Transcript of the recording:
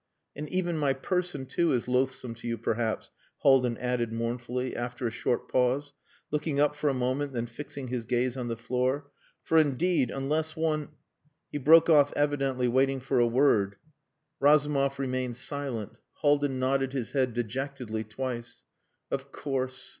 "And even my person, too, is loathsome to you perhaps," Haldin added mournfully, after a short pause, looking up for a moment, then fixing his gaze on the floor. "For indeed, unless one...." He broke off evidently waiting for a word. Razumov remained silent. Haldin nodded his head dejectedly twice. "Of course.